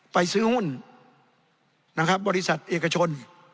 ซื้อหุ้นนะครับบริษัทเอกชน